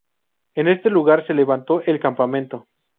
En este lugar se levantó el campamento.